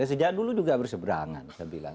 sejauh dulu juga berseberangan